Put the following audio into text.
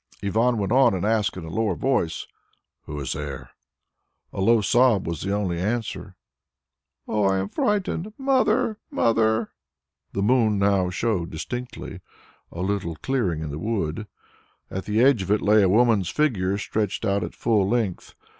Ivan went on and asked in a lower voice, "Who is there?" A low sob was the only answer, "Oh, I am frightened. Mother! Mother!" The moon now showed distinctly a little clearing in the wood. At the edge of it lay a woman's figure stretched out at full length.